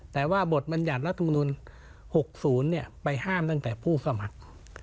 แต่ว่าบทบรรยัติรัฐมนุน๖๐ไปห้ามตั้งแต่ผู้สมัคร